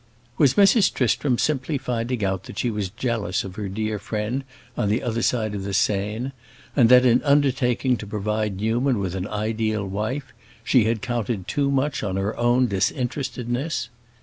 Was Mrs. Tristram simply finding out that she was jealous of her dear friend on the other side of the Seine, and that in undertaking to provide Newman with an ideal wife she had counted too much on her own disinterestedness?